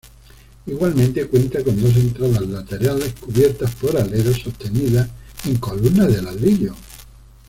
Igualmente cuenta con dos entradas laterales cubiertas por aleros sostenidas en columnas de ladrillo.